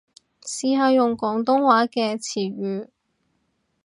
試下用廣東話嘅詞語